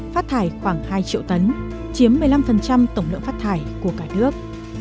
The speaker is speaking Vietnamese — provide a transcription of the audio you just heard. phát thải khoảng hai triệu tấn chiếm một mươi năm tổng lượng phát thải của cả nước